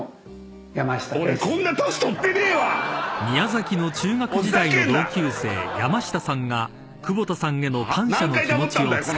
［宮崎の中学時代の同級生山下さんが久保田さんへの感謝の気持ちを伝えます］